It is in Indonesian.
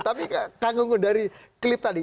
tapi kagung kagung dari klip tadi